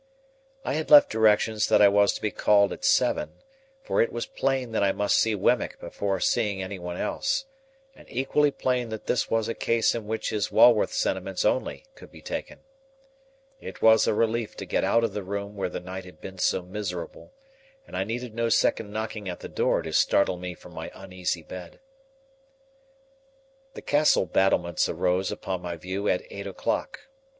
I had left directions that I was to be called at seven; for it was plain that I must see Wemmick before seeing any one else, and equally plain that this was a case in which his Walworth sentiments only could be taken. It was a relief to get out of the room where the night had been so miserable, and I needed no second knocking at the door to startle me from my uneasy bed. The Castle battlements arose upon my view at eight o'clock.